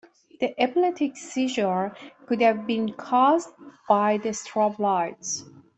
The epileptic seizure could have been cause by the strobe lights.